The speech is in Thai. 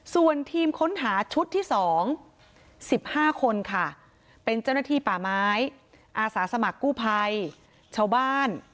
ส่วนทีมค้นหาชุดที่๒๑๕คนค่ะเป็นเจ้าหน้าที่ป่าไม้อาสาสมัครกู้ภัยชาวบ้าน